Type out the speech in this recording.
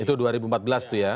itu dua ribu empat belas itu ya